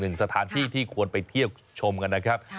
สถานที่ที่ควรไปเที่ยวชมกันนะครับ